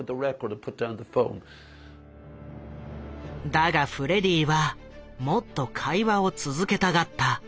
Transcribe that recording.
だがフレディはもっと会話を続けたがった。